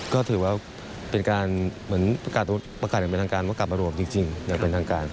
ก็ถือว่าเป็นการเหมือนการตรวจประกันอย่างเป็นทางการ